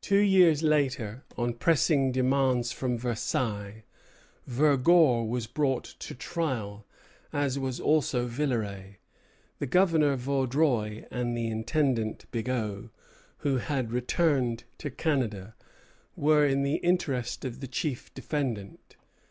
Two years later, on pressing demands from Versailles, Vergor was brought to trial, as was also Villeray. The Governor, Vaudreuil, and the Intendant, Bigot, who had returned to Canada, were in the interest of the chief defendant.